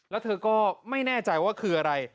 แล้วเธอก็ไม่แน่ใจว่าคืออะไร